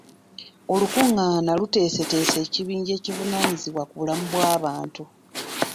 Olukungana luteesetese ekibinja ekivunaanyizibwa ku bulamu bw'abantu.